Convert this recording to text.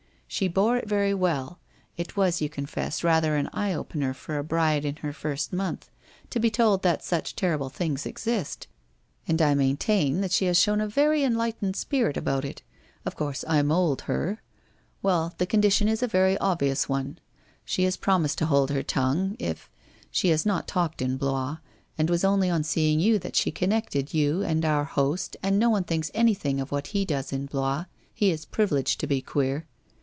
She bore it very well — it Was yon confess rather an eye opener for a bride in her first month, to be told that such terrible things exist, and 354 WHITE ROSE OF WEARY LEAF I maintain that she has shown a very enlightened spirit about it. Of course, I mould her. Well, the condition is a very obvious one. She has promised to hold her tongue if — she has not talked in Blois, in was only on seeing you that she connected you and our host and no one thinks any thing of what he does in Blois, he is privileged to be queer.